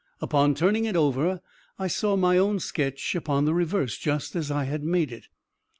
Upon turning it over, I saw my own sketch upon the reverse, just as I had made it.